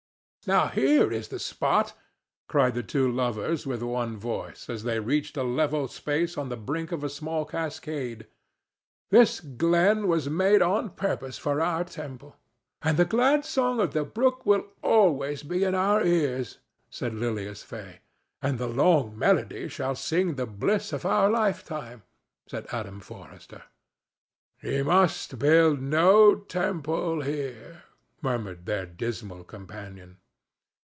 "Here, here is the spot!" cried the two lovers, with one voice, as they reached a level space on the brink of a small cascade. "This glen was made on purpose for our temple." "And the glad song of the brook will be always in our ears," said Lilias Fay. "And its long melody shall sing the bliss of our lifetime," said Adam Forrester. "Ye must build no temple here," murmured their dismal companion.